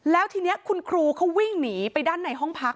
แล้วทีนี้คุณครูเขาวิ่งหนีไปด้านในห้องพัก